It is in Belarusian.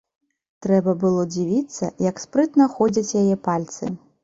Трэба было дзівіцца, як спрытна ходзяць яе пальцы.